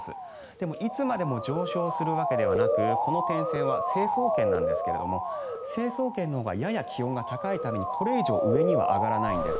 でも、いつまでも上昇するわけではなくこの点線は成層圏なんですが成層圏のほうがやや気温が高いためにこれ以上上には上がらないんです。